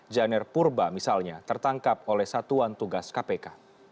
janer purba misalnya tertangkap oleh satuan tugas kpk